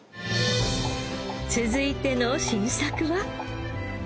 続いての新作は？